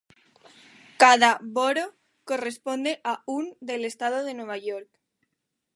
Cada "borough" corresponde a un del Estado de Nueva York.